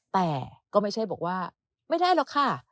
แต่ก็ไม่ใช่บอกว่าไม่ได้หรอกค่ะ